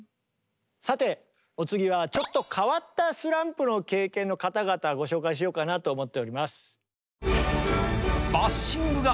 さてお次はちょっと変わったスランプの経験の方々ご紹介しようかなと思っております。